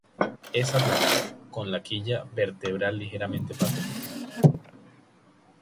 Es aplanado, con la quilla vertebral ligeramente patente.